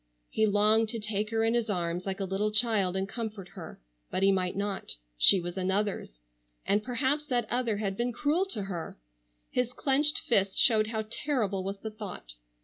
He longed to take her in his arms like a little child and comfort her, but he might not. She was another's. And perhaps that other had been cruel to her! His clenched fists showed how terrible was the thought.